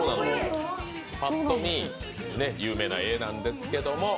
ぱっと見、有名な絵なんですけど。